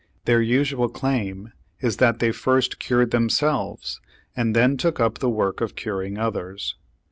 Their usual claim is that they first cured themselves, and then took up the work of curing others.